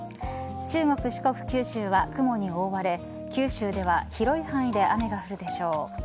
中国、四国、九州は雲に覆われ九州では広い範囲で雨が降るでしょう。